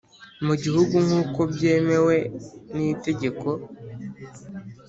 mu Gihugu nk uko byemewe n itegeko